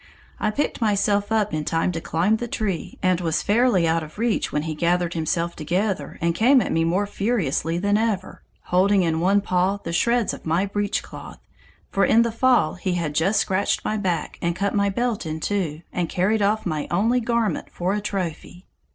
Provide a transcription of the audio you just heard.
I picked myself up in time to climb the tree, and was fairly out of reach when he gathered himself together and came at me more furiously than ever, holding in one paw the shreds of my breechcloth, for in the fall he had just scratched my back and cut my belt in two, and carried off my only garment for a trophy!